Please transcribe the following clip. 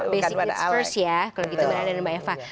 basic is first ya kalau gitu mbak eva